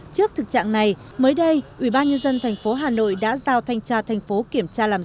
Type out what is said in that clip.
trước thực trạng này mới đây ubnd tp hà nội đã giao thanh tra thành phố kiểm tra làm rõ